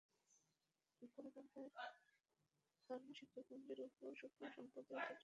কলিকাতার হর্ম্যশিখরপুজ্ঞের উপর শুক্লসপ্তমীর অর্ধচন্দ্র নিঃশব্দে আপন অপরূপ মায়ামন্ত্র বিকীর্ণ করিতেছিল।